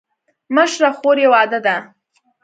مشره خور یې واده ده.